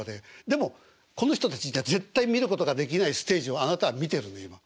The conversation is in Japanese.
でもこの人たちには絶対見ることができないステージをあなたは見てるんだよ今。